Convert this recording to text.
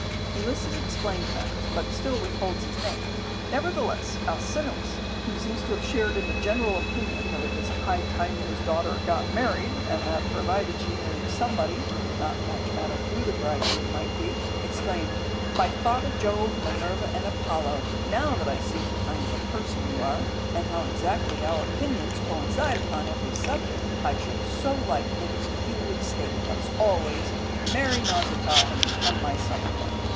Ulysses explains matters, but still withholds his name, nevertheless Alcinous (who seems to have shared in the general opinion that it was high time his daughter got married, and that, provided she married somebody, it did not much matter who the bridegroom might be) exclaimed, "By Father Jove, Minerva, and Apollo, now that I see what kind of a person you are and how exactly our opinions coincide upon every subject, I should so like it if you would stay with us always, marry Nausicaa, and become my son in law."